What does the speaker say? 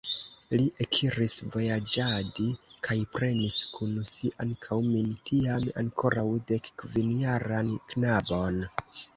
Li ekiris vojaĝadi kaj prenis kun si ankaŭ min, tiam ankoraŭ dekkvinjaran knabon.